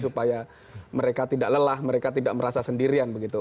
supaya mereka tidak lelah mereka tidak merasa sendirian begitu